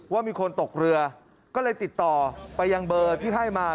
ว่ามีคนตกเรือก็เลยติดต่อไปยังเบอร์ที่ให้มา